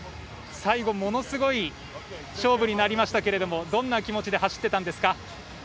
最後、ものすごい勝負になりましたけどもどんな気持ちで走ってたんですか。